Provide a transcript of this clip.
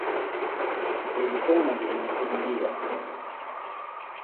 Ebitonotono ku ddiba.